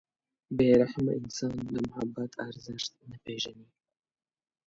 • بې رحمه انسان د محبت ارزښت نه پېژني.